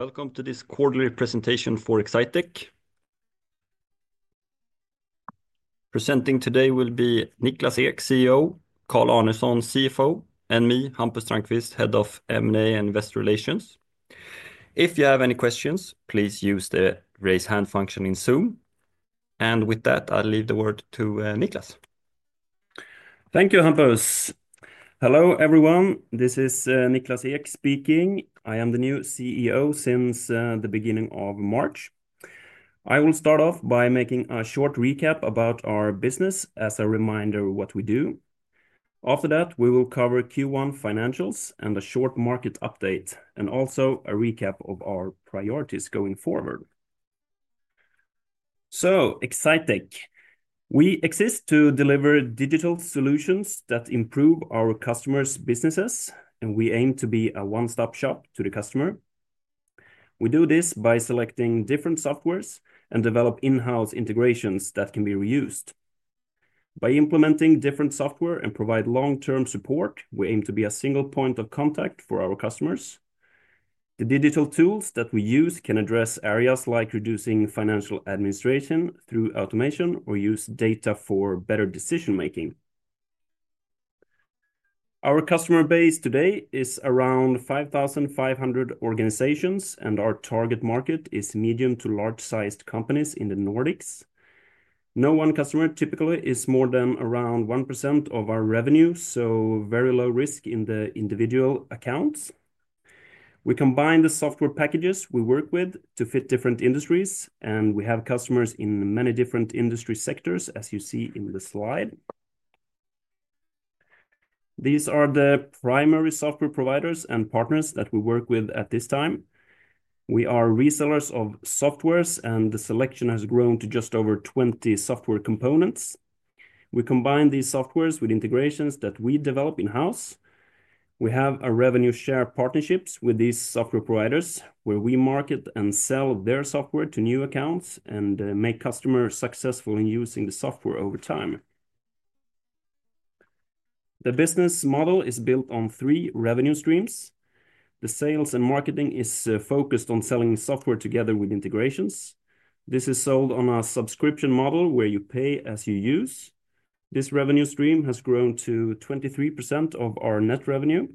Welcome to this quarterly presentation for Exsitec. Presenting today will be Niklas Ek, CEO, Carl Arnesson, CFO, and me, Hampus Strandqvist, Head of M&A and Investor Relations. If you have any questions, please use the raise hand function in Zoom. With that, I'll leave the word to Niklas. Thank you, Hampus. Hello everyone, this is Niklas Ek speaking. I am the new CEO since the beginning of March. I will start off by making a short recap about our business as a reminder of what we do. After that, we will cover Q1 financials and a short market update, and also a recap of our priorities going forward. Exsitec. We exist to deliver digital solutions that improve our customers' businesses, and we aim to be a one-stop shop to the customer. We do this by selecting different softwares and developing in-house integrations that can be reused. By implementing different software and providing long-term support, we aim to be a single point of contact for our customers. The digital tools that we use can address areas like reducing financial administration through automation or use data for better decision-making. Our customer base today is around 5,500 organizations, and our target market is medium to large-sized companies in the Nordics. No one customer typically is more than around 1% of our revenue, so very low risk in the individual accounts. We combine the software packages we work with to fit different industries, and we have customers in many different industry sectors, as you see in the slide. These are the primary software providers and partners that we work with at this time. We are resellers of software, and the selection has grown to just over 20 software components. We combine these software with integrations that we develop in-house. We have revenue-share partnerships with these software providers, where we market and sell their software to new accounts and make customers successful in using the software over time. The business model is built on three revenue streams. The sales and marketing is focused on selling software together with integrations. This is sold on a subscription model where you pay as you use. This revenue stream has grown to 23% of our net revenue.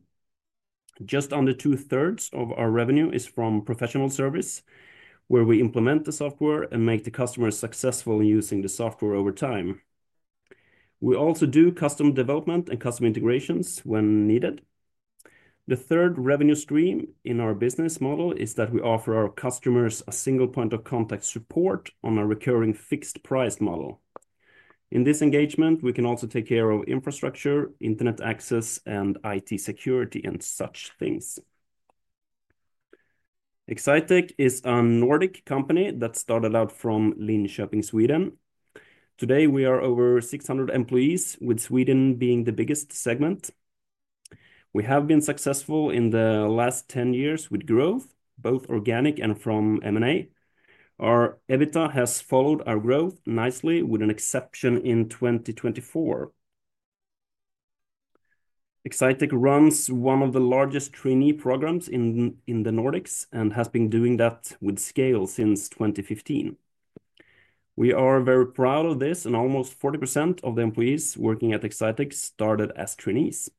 Just under two-thirds of our revenue is from professional service, where we implement the software and make the customer successful in using the software over time. We also do custom development and custom integrations when needed. The third revenue stream in our business model is that we offer our customers a single point of contact support on a recurring fixed-price model. In this engagement, we can also take care of infrastructure, internet access, and IT security and such things. Exsitec is a Nordic company that started out from Linköping, Sweden. Today, we are over 600 employees, with Sweden being the biggest segment. We have been successful in the last 10 years with growth, both organic and from M&A. Our EBITDA has followed our growth nicely, with an exception in 2024. Exsitec runs one of the largest trainee programs in the Nordics and has been doing that with scale since 2015. We are very proud of this, and almost 40% of the employees working at Exsitec started as trainees.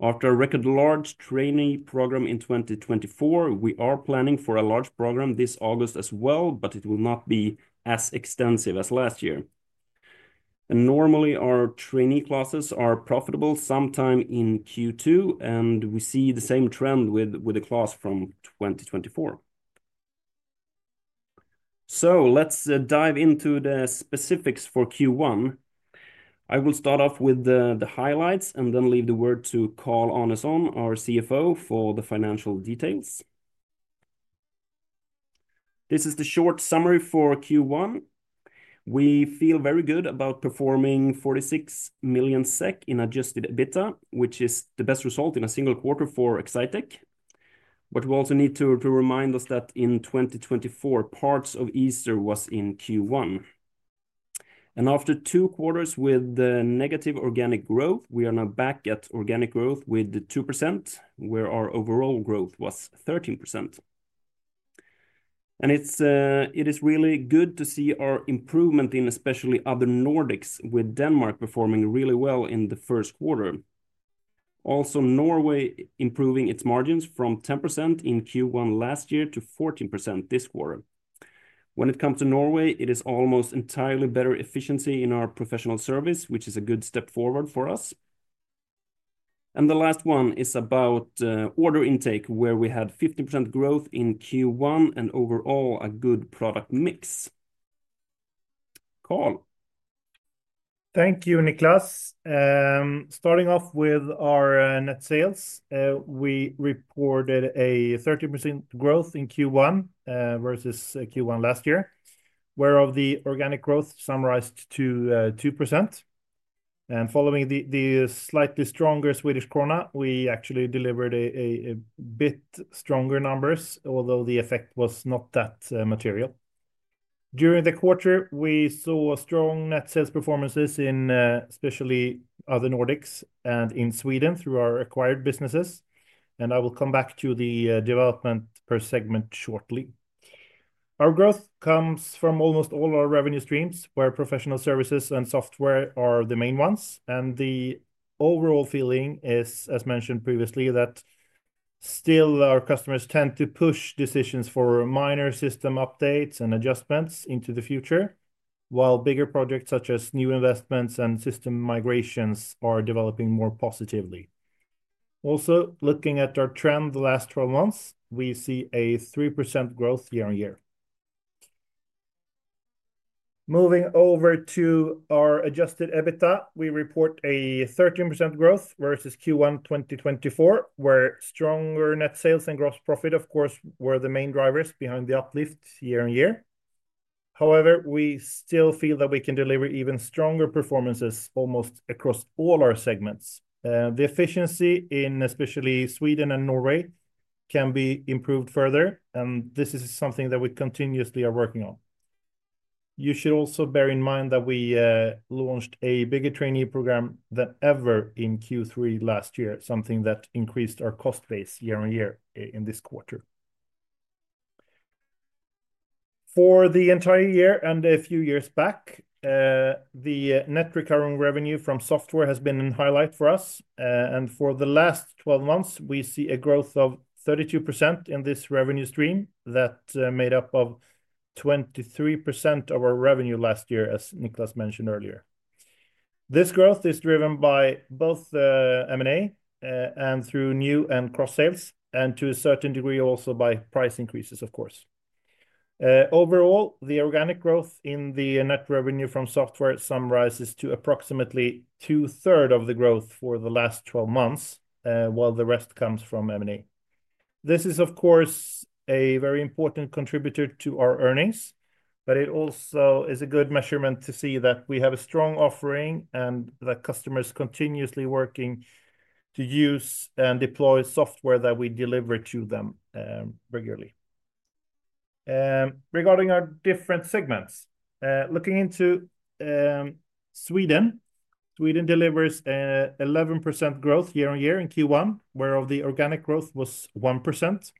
After a record-large trainee program in 2024, we are planning for a large program this August as well, but it will not be as extensive as last year. Normally, our trainee classes are profitable sometime in Q2, and we see the same trend with the class from 2024. Let's dive into the specifics for Q1. I will start off with the highlights and then leave the word to Carl Arnesson, our CFO, for the financial details. This is the short summary for Q1. We feel very good about performing 46 million SEK in adjusted EBITDA, which is the best result in a single quarter for Exsitec. We also need to remind us that in 2024, parts of Easter was in Q1. After two quarters with negative organic growth, we are now back at organic growth with 2%, where our overall growth was 13%. It is really good to see our improvement in especially other Nordics, with Denmark performing really well in the first quarter. Also, Norway improving its margins from 10% in Q1 last year to 14% this quarter. When it comes to Norway, it is almost entirely better efficiency in our professional service, which is a good step forward for us. The last one is about order intake, where we had 50% growth in Q1 and overall a good product mix. Carl. Thank you, Niklas. Starting off with our net sales, we reported a 30% growth in Q1 versus Q1 last year, where the organic growth summarized to 2%. Following the slightly stronger Swedish krona, we actually delivered a bit stronger numbers, although the effect was not that material. During the quarter, we saw strong net sales performances in especially other Nordics and in Sweden through our acquired businesses. I will come back to the development per segment shortly. Our growth comes from almost all our revenue streams, where professional services and software are the main ones. The overall feeling is, as mentioned previously, that still our customers tend to push decisions for minor system updates and adjustments into the future, while bigger projects such as new investments and system migrations are developing more positively. Also, looking at our trend the last 12 months, we see a 3% growth year on year. Moving over to our adjusted EBITDA, we report a 13% growth versus Q1 2024, where stronger net sales and gross profit, of course, were the main drivers behind the uplift year on year. However, we still feel that we can deliver even stronger performances almost across all our segments. The efficiency in especially Sweden and Norway can be improved further, and this is something that we continuously are working on. You should also bear in mind that we launched a bigger trainee program than ever in Q3 last year, something that increased our cost base year on year in this quarter. For the entire year and a few years back, the net recurring revenue from software has been in highlight for us. For the last 12 months, we see a growth of 32% in this revenue stream that made up 23% of our revenue last year, as Niklas mentioned earlier. This growth is driven by both M&A and through new and cross sales, and to a certain degree also by price increases, of course. Overall, the organic growth in the net revenue from software summarizes to approximately two-thirds of the growth for the last 12 months, while the rest comes from M&A. This is, of course, a very important contributor to our earnings, but it also is a good measurement to see that we have a strong offering and that customers are continuously working to use and deploy software that we deliver to them regularly. Regarding our different segments, looking into Sweden, Sweden delivers 11% growth year on year in Q1, where the organic growth was 1%.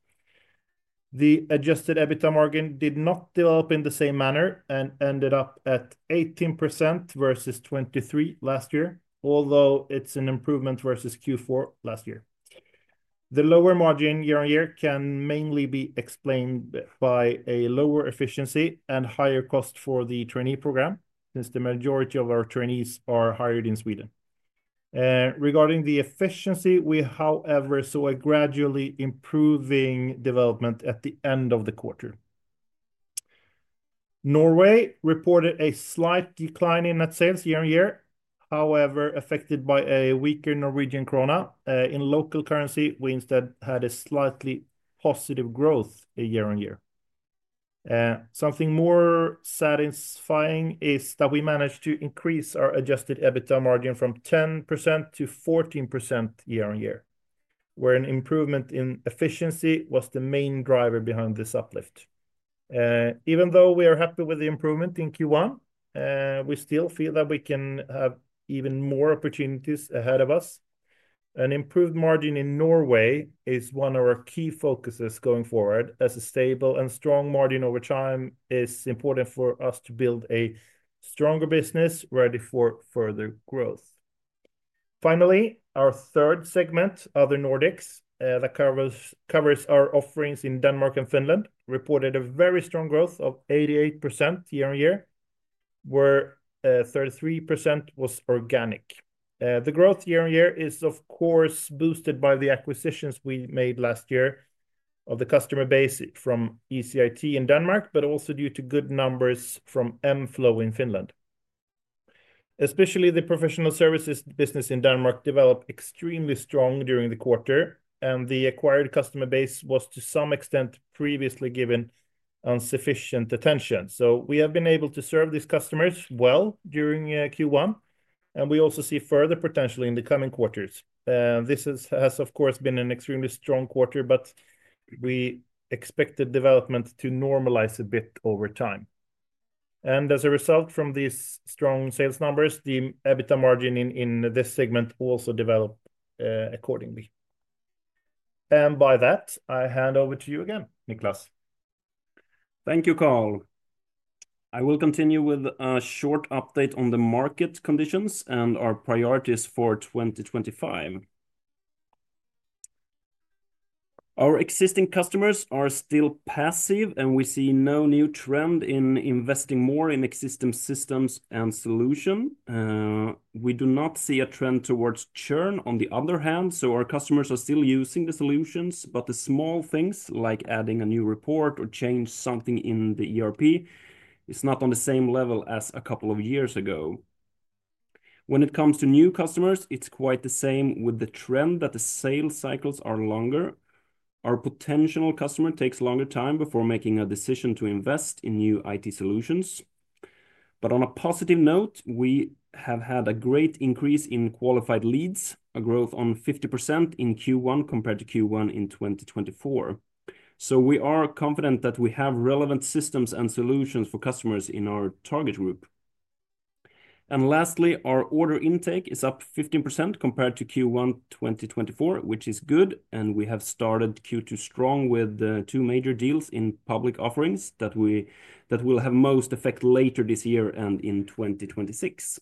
The adjusted EBITDA margin did not develop in the same manner and ended up at 18% versus 23% last year, although it's an improvement versus Q4 last year. The lower margin year on year can mainly be explained by a lower efficiency and higher cost for the trainee program, since the majority of our trainees are hired in Sweden. Regarding the efficiency, we, however, saw a gradually improving development at the end of the quarter. Norway reported a slight decline in net sales year on year, however affected by a weaker Norwegian krone. In local currency, we instead had a slightly positive growth year on year. Something more satisfying is that we managed to increase our adjusted EBITDA margin from 10% to 14% year on year, where an improvement in efficiency was the main driver behind this uplift. Even though we are happy with the improvement in Q1, we still feel that we can have even more opportunities ahead of us. An improved margin in Norway is one of our key focuses going forward, as a stable and strong margin over time is important for us to build a stronger business ready for further growth. Finally, our third segment, other Nordics, that covers our offerings in Denmark and Finland, reported a very strong growth of 88% year on year, where 33% was organic. The growth year on year is, of course, boosted by the acquisitions we made last year of the customer base from ECIT in Denmark, but also due to good numbers from M-Flow in Finland. Especially the professional services business in Denmark developed extremely strong during the quarter, and the acquired customer base was, to some extent, previously given insufficient attention. We have been able to serve these customers well during Q1, and we also see further potential in the coming quarters. This has, of course, been an extremely strong quarter, but we expected development to normalize a bit over time. As a result from these strong sales numbers, the EBITDA margin in this segment also developed accordingly. By that, I hand over to you again, Niklas. Thank you, Carl. I will continue with a short update on the market conditions and our priorities for 2025. Our existing customers are still passive, and we see no new trend in investing more in existing systems and solutions. We do not see a trend towards churn, on the other hand, so our customers are still using the solutions, but the small things like adding a new report or changing something in the ERP are not on the same level as a couple of years ago. When it comes to new customers, it's quite the same with the trend that the sales cycles are longer. Our potential customer takes longer time before making a decision to invest in new IT solutions. On a positive note, we have had a great increase in qualified leads, a growth of 50% in Q1 compared to Q1 in 2024. We are confident that we have relevant systems and solutions for customers in our target group. Lastly, our order intake is up 15% compared to Q1 2024, which is good, and we have started Q2 strong with two major deals in public offerings that we will have most effect later this year and in 2026.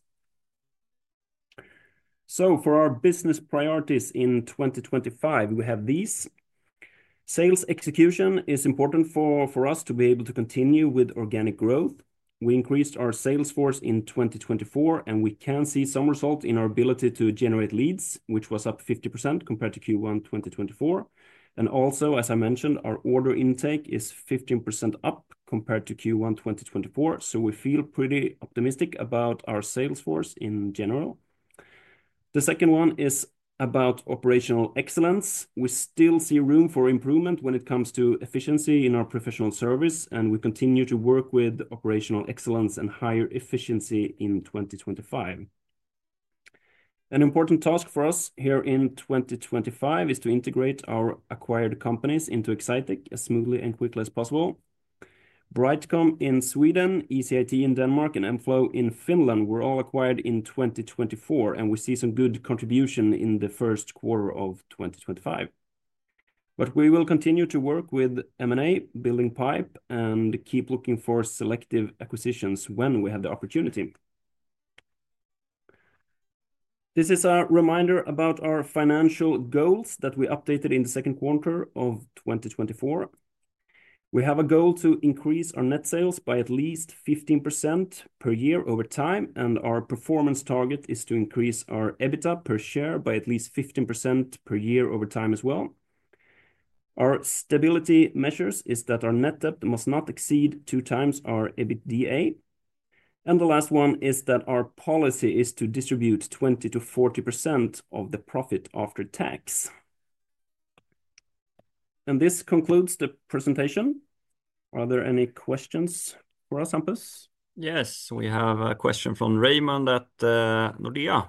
For our business priorities in 2025, we have these. Sales execution is important for us to be able to continue with organic growth. We increased our sales force in 2024, and we can see some result in our ability to generate leads, which was up 50% compared to Q1 2024. Also, as I mentioned, our order intake is 15% up compared to Q1 2024, so we feel pretty optimistic about our sales force in general. The second one is about operational excellence. We still see room for improvement when it comes to efficiency in our professional service, and we continue to work with operational excellence and higher efficiency in 2025. An important task for us here in 2025 is to integrate our acquired companies into Exsitec as smoothly and quickly as possible. Brightcom in Sweden, ECIT in Denmark, and M-Flow in Finland were all acquired in 2024, and we see some good contribution in the first quarter of 2025. We will continue to work with M&A, building pipe, and keep looking for selective acquisitions when we have the opportunity. This is a reminder about our financial goals that we updated in the second quarter of 2024. We have a goal to increase our net sales by at least 15% per year over time, and our performance target is to increase our EBITDA per share by at least 15% per year over time as well. Our stability measures is that our net debt must not exceed two times our EBITDA. The last one is that our policy is to distribute 20%-40% of the profit after tax. This concludes the presentation. Are there any questions for us, Hampus? Yes, we have a question from Raymond at Nordea.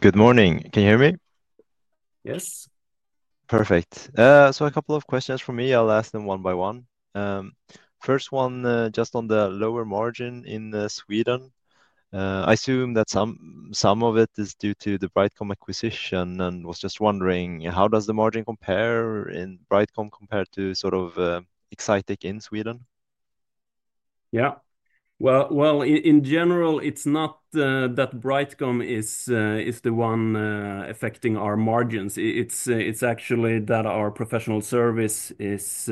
Good morning. Can you hear me? Yes. Perfect. A couple of questions for me. I'll ask them one by one. First one, just on the lower margin in Sweden. I assume that some of it is due to the Brightcom acquisition and was just wondering, how does the margin compare in Brightcom compared to sort of Exsitec in Sweden? Yeah. In general, it's not that Brightcom is the one affecting our margins. It's actually that our professional service is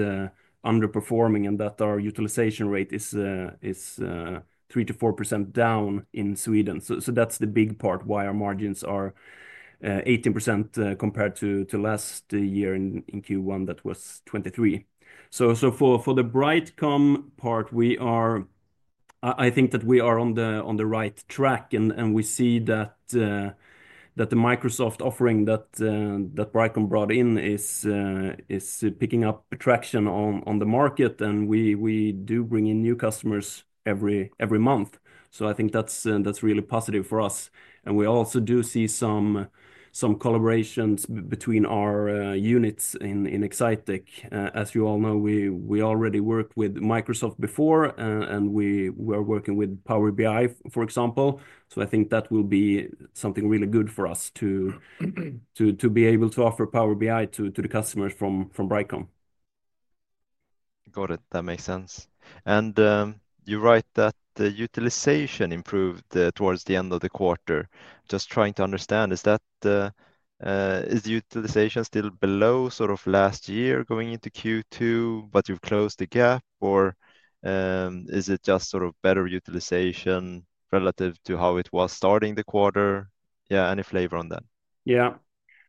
underperforming and that our utilization rate is 3%-4% down in Sweden. That's the big part why our margins are 18% compared to last year in Q1 that was 23%. For the Brightcom part, I think that we are on the right track and we see that the Microsoft offering that Brightcom brought in is picking up traction on the market and we do bring in new customers every month. I think that's really positive for us. We also do see some collaborations between our units in Exsitec. As you all know, we already worked with Microsoft before and we are working with Power BI, for example. I think that will be something really good for us to be able to offer Power BI to the customers from Brightcom. Got it. That makes sense. You write that the utilization improved towards the end of the quarter. Just trying to understand, is utilization still below sort of last year going into Q2, but you have closed the gap, or is it just sort of better utilization relative to how it was starting the quarter? Yeah, any flavor on that? Yeah.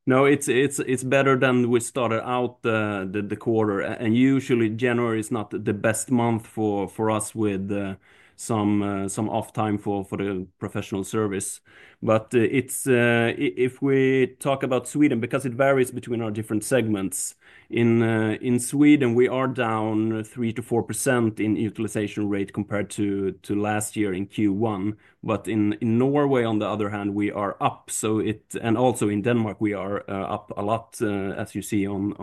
No, it's better than we started out the quarter. Usually, January is not the best month for us with some off time for the professional service. If we talk about Sweden, because it varies between our different segments, in Sweden, we are down 3%-4% in utilization rate compared to last year in Q1. In Norway, on the other hand, we are up. Also in Denmark, we are up a lot, as you see on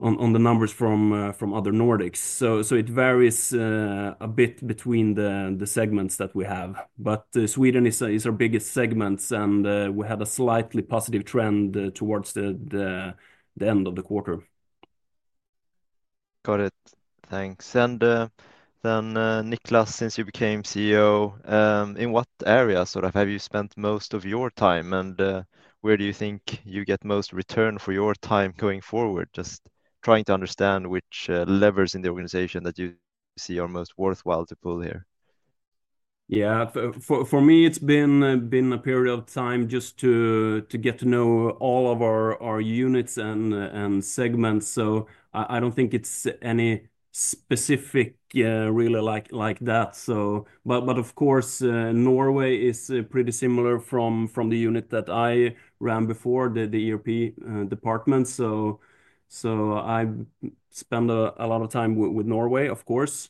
the numbers from other Nordics. It varies a bit between the segments that we have. Sweden is our biggest segment, and we had a slightly positive trend towards the end of the quarter. Got it. Thanks. Niklas, since you became CEO, in what area sort of have you spent most of your time, and where do you think you get most return for your time going forward? Just trying to understand which levers in the organization that you see are most worthwhile to pull here. Yeah, for me, it's been a period of time just to get to know all of our units and segments. I don't think it's any specific really like that. Of course, Norway is pretty similar from the unit that I ran before, the ERP department. I spend a lot of time with Norway, of course.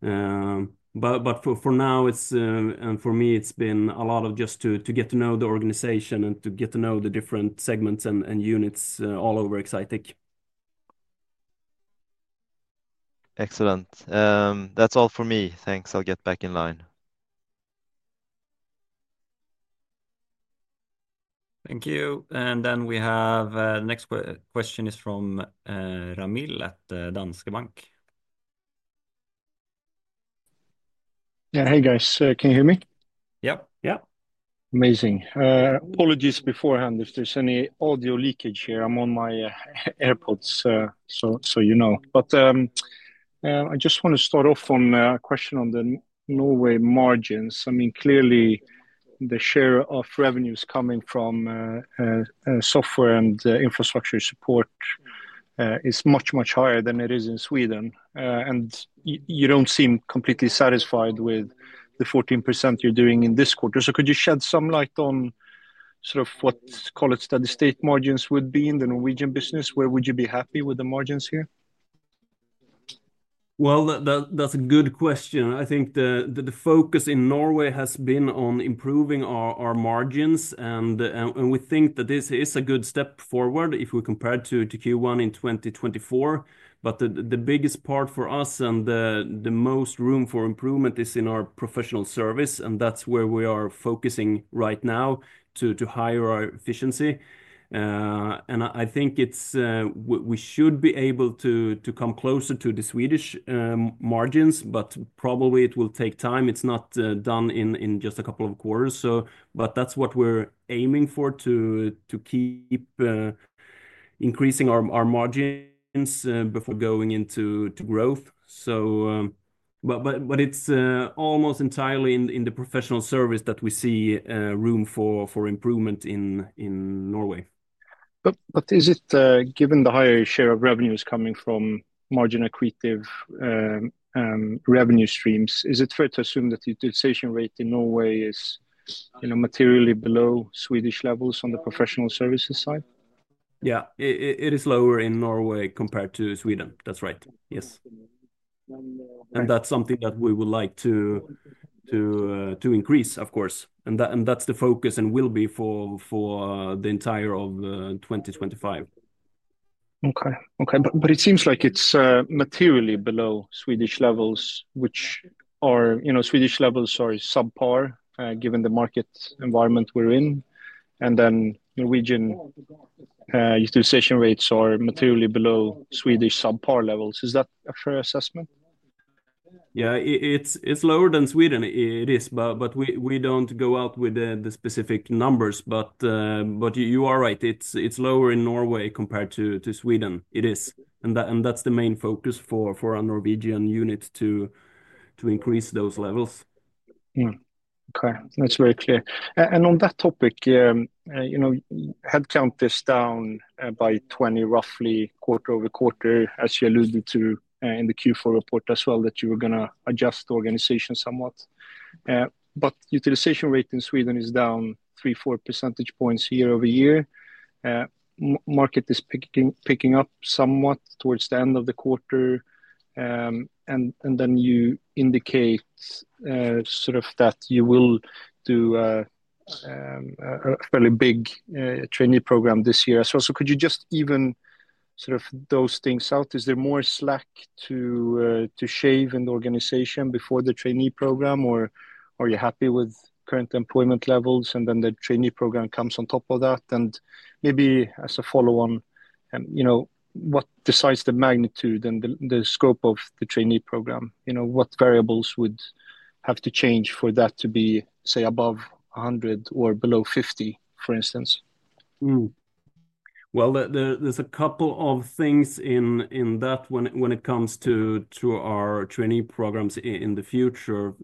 For now, and for me, it's been a lot of just to get to know the organization and to get to know the different segments and units all over Exsitec. Excellent. That's all for me. Thanks. I'll get back in line. Thank you. The next question is from Ramil at Danske Bank. Yeah, hey guys, can you hear me? Yeah. Yeah. Amazing. Apologies beforehand if there's any audio leakage here. I'm on my AirPods, so you know. I just want to start off on a question on the Norway margins. I mean, clearly, the share of revenues coming from software and infrastructure support is much, much higher than it is in Sweden. You don't seem completely satisfied with the 14% you're doing in this quarter. Could you shed some light on sort of what college study state margins would be in the Norwegian business? Where would you be happy with the margins here? That's a good question. I think the focus in Norway has been on improving our margins, and we think that this is a good step forward if we compare it to Q1 in 2024. The biggest part for us and the most room for improvement is in our professional service, and that's where we are focusing right now to higher our efficiency. I think we should be able to come closer to the Swedish margins, but probably it will take time. It's not done in just a couple of quarters. That's what we're aiming for, to keep increasing our margins before going into growth. It's almost entirely in the professional service that we see room for improvement in Norway. Is it, given the higher share of revenues coming from margin accretive revenue streams, is it fair to assume that the utilization rate in Norway is materially below Swedish levels on the professional services side? Yeah, it is lower in Norway compared to Sweden. That is right. Yes. That is something that we would like to increase, of course. That is the focus and will be for the entire 2025. Okay. Okay. It seems like it's materially below Swedish levels, which are Swedish levels are subpar given the market environment we're in. Norwegian utilization rates are materially below Swedish subpar levels. Is that a fair assessment? Yeah, it's lower than Sweden. It is. We do not go out with the specific numbers. You are right. It is lower in Norway compared to Sweden. It is. That is the main focus for our Norwegian unit to increase those levels. Okay. That's very clear. On that topic, headcount is down by 20 roughly quarter over quarter, as you alluded to in the Q4 report as well, that you were going to adjust the organization somewhat. Utilization rate in Sweden is down 3-4 percentage points year over year. Market is picking up somewhat towards the end of the quarter. You indicate sort of that you will do a fairly big trainee program this year as well. Could you just even sort of those things out? Is there more slack to shave in the organization before the trainee program, or are you happy with current employment levels and then the trainee program comes on top of that? Maybe as a follow-on, what decides the magnitude and the scope of the trainee program? What variables would have to change for that to be, say, above 100 or below 50, for instance? There is a couple of things in that when it comes to our trainee programs in the future.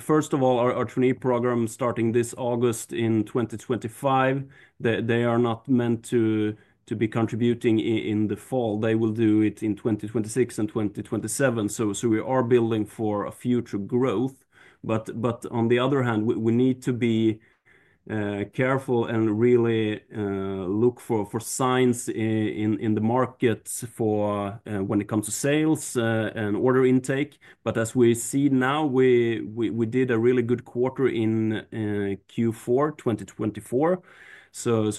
First of all, our trainee program starting this August in 2025, they are not meant to be contributing in the fall. They will do it in 2026 and 2027. We are building for future growth. On the other hand, we need to be careful and really look for signs in the markets when it comes to sales and order intake. As we see now, we did a really good quarter in Q4 2024.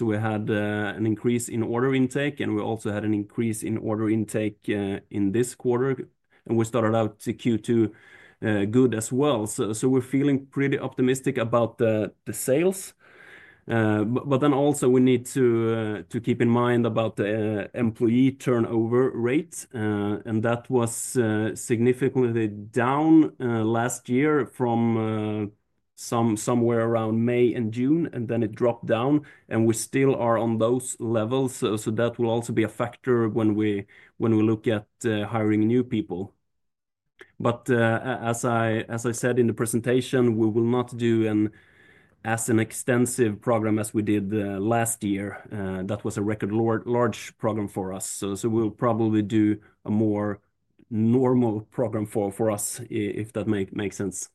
We had an increase in order intake, and we also had an increase in order intake in this quarter. We started out Q2 good as well. We are feeling pretty optimistic about the sales. We also need to keep in mind about the employee turnover rate. That was significantly down last year from somewhere around May and June, and then it dropped down. We still are on those levels. That will also be a factor when we look at hiring new people. As I said in the presentation, we will not do as an extensive program as we did last year. That was a record large program for us. We'll probably do a more normal program for us, if that makes sense.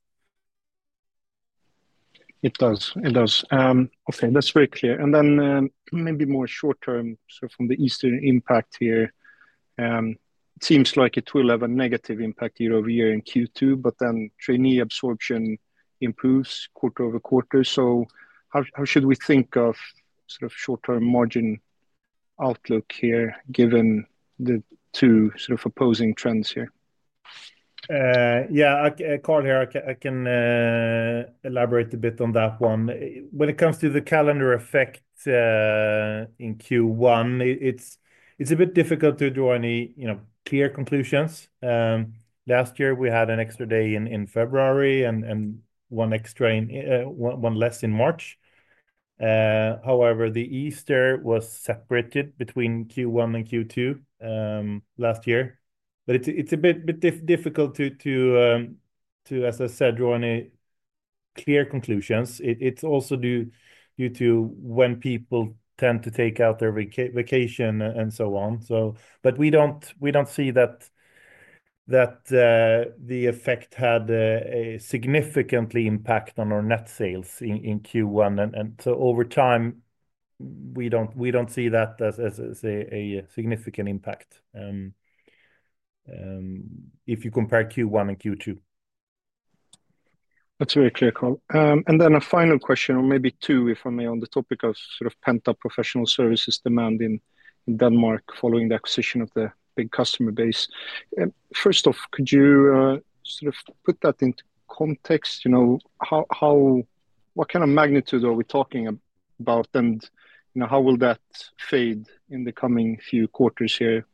It does. It does. Okay, that's very clear. Maybe more short-term, sort of from the Eastern impact here. It seems like it will have a negative impact year over year in Q2, but then trainee absorption improves quarter over quarter. How should we think of sort of short-term margin outlook here given the two sort of opposing trends here? Yeah, Carl here, I can elaborate a bit on that one. When it comes to the calendar effect in Q1, it's a bit difficult to draw any clear conclusions. Last year, we had an extra day in February and one less in March. However, the Easter was separated between Q1 and Q2 last year. It's a bit difficult to, as I said, draw any clear conclusions. It's also due to when people tend to take out their vacation and so on. We don't see that the effect had a significant impact on our net sales in Q1. Over time, we don't see that as a significant impact if you compare Q1 and Q2. That's very clear, Carl. A final question, or maybe two, if I may, on the topic of sort of pent-up professional services demand in Denmark following the acquisition of the big customer base. First off, could you sort of put that into context? What kind of magnitude are we talking about, and how will that fade in the coming few quarters here?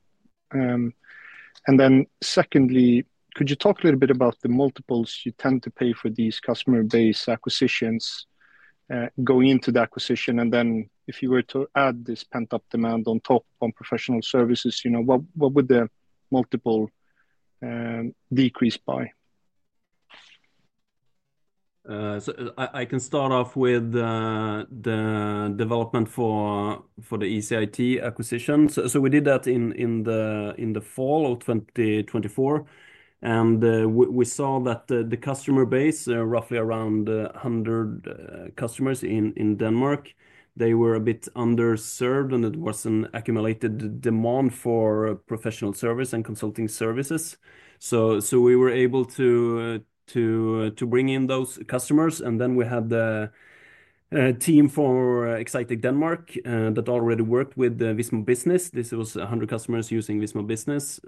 Secondly, could you talk a little bit about the multiples you tend to pay for these customer base acquisitions going into the acquisition? If you were to add this pent-up demand on top of professional services, what would the multiple decrease by? I can start off with the development for the ECIT acquisition. We did that in the fall of 2024. We saw that the customer base, roughly around 100 customers in Denmark, they were a bit underserved, and it was an accumulated demand for professional service and consulting services. We were able to bring in those customers. We had a team for Exsitec Denmark that already worked with Visma Business. This was 100 customers using Visma Business.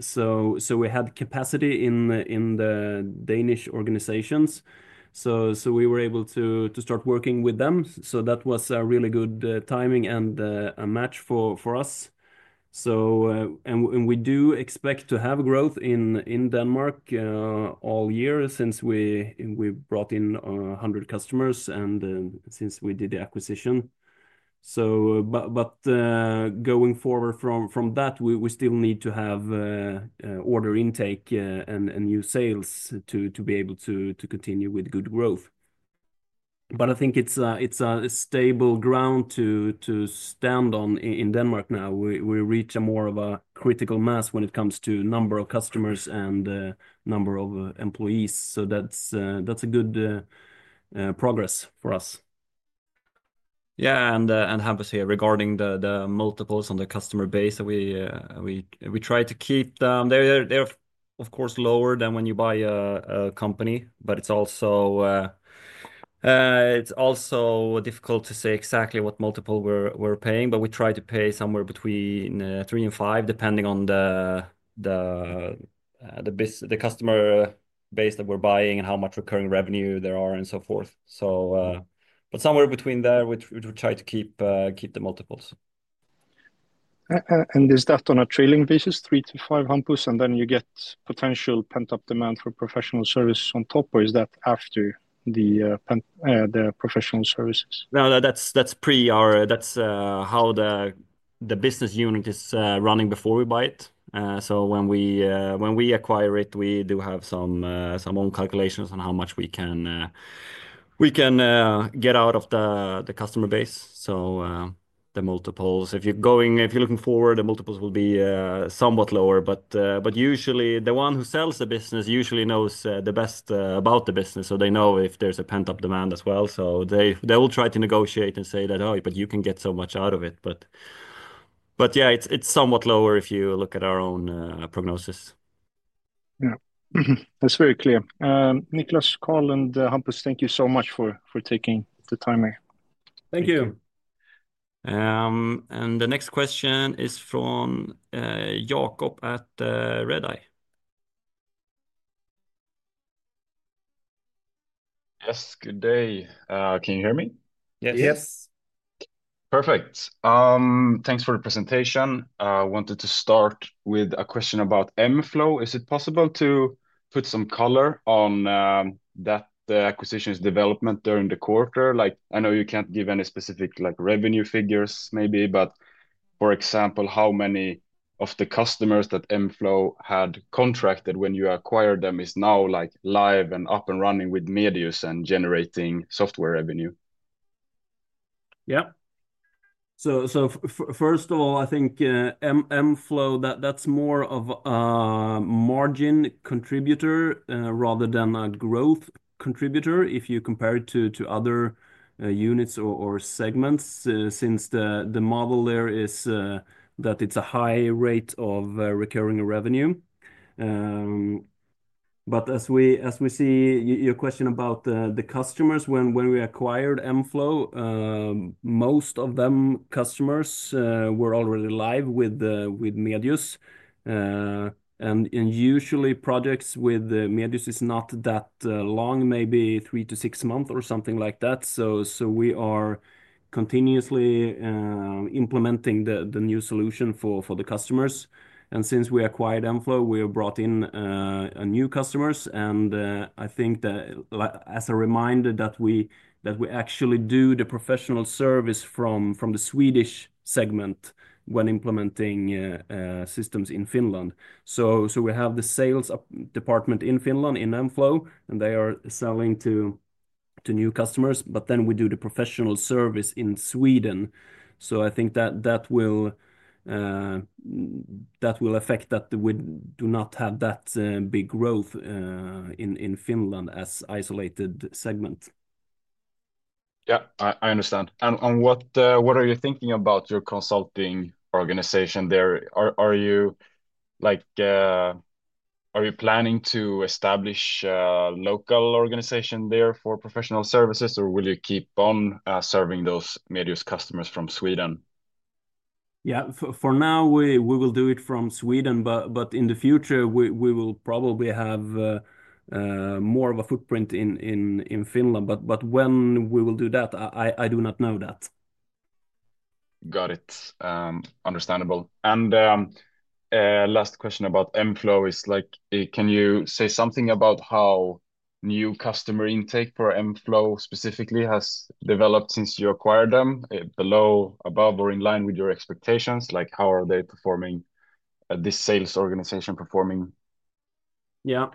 We had capacity in the Danish organizations. We were able to start working with them. That was a really good timing and a match for us. We do expect to have growth in Denmark all year since we brought in 100 customers and since we did the acquisition. Going forward from that, we still need to have order intake and new sales to be able to continue with good growth. I think it's a stable ground to stand on in Denmark now. We reach more of a critical mass when it comes to number of customers and number of employees. That's a good progress for us. Yeah, and have us here regarding the multiples on the customer base that we try to keep. They're, of course, lower than when you buy a company. It's also difficult to say exactly what multiple we're paying. We try to pay somewhere between three and five, depending on the customer base that we're buying and how much recurring revenue there are and so forth. Somewhere between there, we try to keep the multiples. Is that on a trailing basis, three to five Hampus, and then you get potential pent-up demand for professional service on top, or is that after the professional services? No, that's how the business unit is running before we buy it. When we acquire it, we do have some own calculations on how much we can get out of the customer base. The multiples, if you're looking forward, the multiples will be somewhat lower. Usually, the one who sells the business usually knows the best about the business. They know if there's a pent-up demand as well. They will try to negotiate and say that, "Oh, but you can get so much out of it." Yeah, it's somewhat lower if you look at our own prognosis. Yeah. That's very clear. Niklas, Carl, and Hampus, thank you so much for taking the time here. Thank you. The next question is from Jacob at Red-Eye. Yes, good day. Can you hear me? Yes. Perfect. Thanks for the presentation. I wanted to start with a question about M-Flow. Is it possible to put some color on that acquisition's development during the quarter? I know you can't give any specific revenue figures maybe, but for example, how many of the customers that M-Flow had contracted when you acquired them is now live and up and running with Medius and generating software revenue? Yeah. First of all, I think M-Flow, that's more of a margin contributor rather than a growth contributor if you compare it to other units or segments since the model there is that it's a high rate of recurring revenue. As we see your question about the customers, when we acquired M-Flow, most of those customers were already live with Medius. Usually, projects with Medius are not that long, maybe three to six months or something like that. We are continuously implementing the new solution for the customers. Since we acquired M-Flow, we have brought in new customers. I think that as a reminder, we actually do the professional service from the Swedish segment when implementing systems in Finland. We have the sales department in Finland in M-Flow, and they are selling to new customers. We do the professional service in Sweden. I think that will affect that we do not have that big growth in Finland as an isolated segment. Yeah, I understand. What are you thinking about your consulting organization there? Are you planning to establish a local organization there for professional services, or will you keep on serving those Medius customers from Sweden? Yeah, for now, we will do it from Sweden. In the future, we will probably have more of a footprint in Finland. When we will do that, I do not know that. Got it. Understandable. Last question about M-Flow is, can you say something about how new customer intake for M-Flow specifically has developed since you acquired them? Below, above, or in line with your expectations? How are they performing, this sales organization performing? Yeah.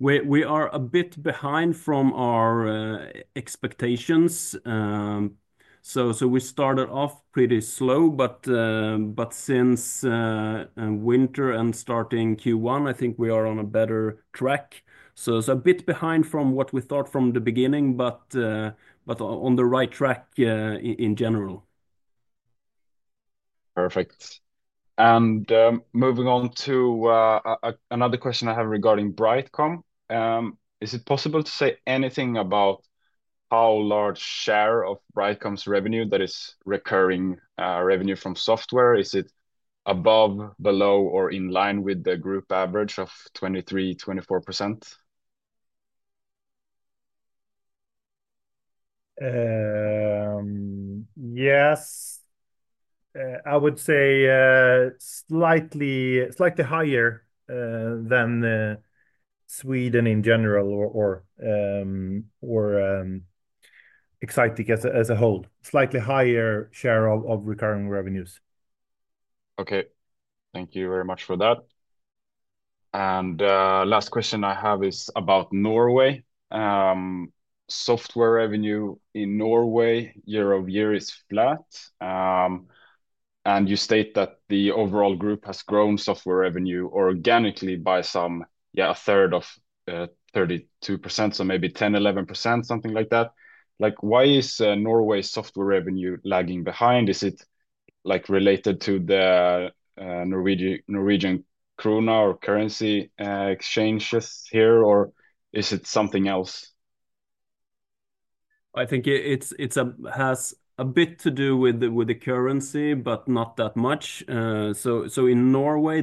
We are a bit behind from our expectations. We started off pretty slow. Since winter and starting Q1, I think we are on a better track. A bit behind from what we thought from the beginning, but on the right track in general. Perfect. Moving on to another question I have regarding Brightcom. Is it possible to say anything about how large a share of Brightcom's revenue that is recurring revenue from software? Is it above, below, or in line with the group average of 23-24%? Yes. I would say slightly higher than Sweden in general or Exsitec as a whole. Slightly higher share of recurring revenues. Okay. Thank you very much for that. The last question I have is about Norway. Software revenue in Norway year over year is flat. You state that the overall group has grown software revenue organically by some, yeah, a third of 32%, so maybe 10-11%, something like that. Why is Norway's software revenue lagging behind? Is it related to the Norwegian krone or currency exchanges here, or is it something else? I think it has a bit to do with the currency, but not that much. In Norway,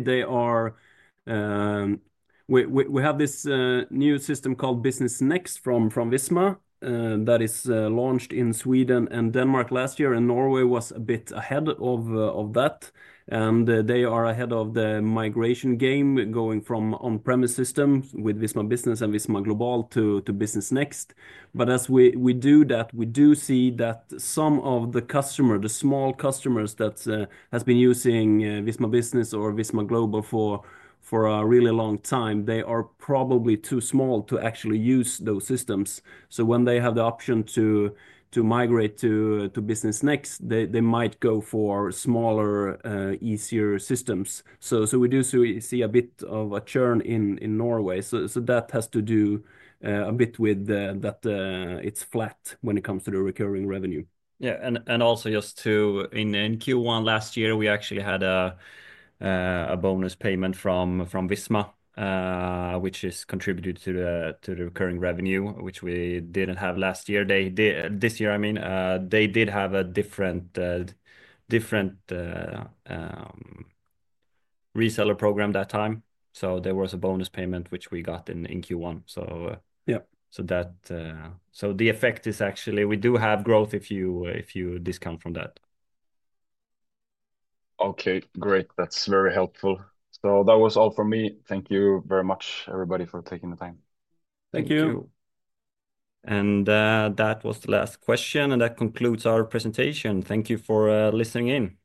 we have this new system called Business Next from Visma that is launched in Sweden and Denmark last year. Norway was a bit ahead of that. They are ahead of the migration game going from on-premise system with Visma Business and Visma Global to Business Next. As we do that, we do see that some of the customers, the small customers that have been using Visma Business or Visma Global for a really long time, they are probably too small to actually use those systems. When they have the option to migrate to Business Next, they might go for smaller, easier systems. We do see a bit of a churn in Norway. That has to do a bit with that it's flat when it comes to the recurring revenue. Yeah. Also, in Q1 last year, we actually had a bonus payment from Visma, which has contributed to the recurring revenue, which we did not have this year. I mean, they did have a different reseller program at that time. There was a bonus payment, which we got in Q1. The effect is actually we do have growth if you discount for that. Okay. Great. That's very helpful. That was all for me. Thank you very much, everybody, for taking the time. Thank you. Thank you. That was the last question, and that concludes our presentation. Thank you for listening in.